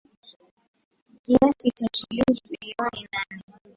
Kiasi cha shilingi bilioni mnane